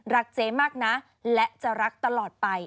เจ๊มากนะและจะรักตลอดไป